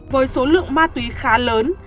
với số lượng ma túy khá lớn